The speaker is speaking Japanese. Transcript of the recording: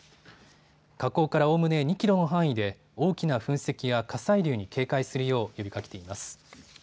火口からおおむね２キロの範囲で大きな噴石や火砕流に警戒するよう呼びかけています。